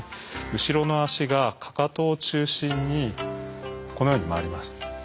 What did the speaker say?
後ろの足がかかとを中心にこのように回ります。